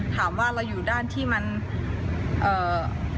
ถามว่าเราอยู่ด้านที่มันเอ่อ